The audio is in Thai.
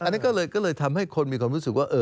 อันนี้ก็เลยทำให้คนมีความรู้สึกว่า